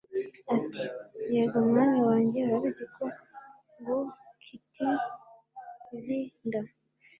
ati: "Yego Mwami wanjye urabizi ko nguktlnda."